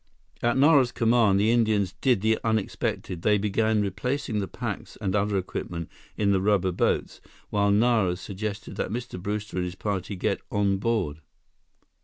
At Nara's command, the Indians did the unexpected. They began replacing the packs and other equipment in the rubber boats, while Nara suggested that Mr. Brewster and his party get on board.